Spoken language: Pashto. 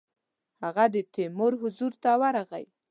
هغه د تیمور حضور ته ورغی.